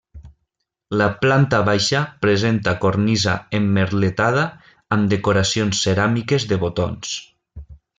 La planta baixa presenta cornisa emmerletada amb decoracions ceràmiques de botons.